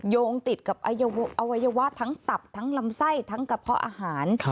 โยงติดกับอวัยวะทั้งตับทั้งลำไส้ทั้งกระเพาะอาหาร